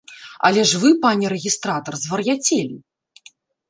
Але ж вы, пане рэгістратар, звар'яцелі.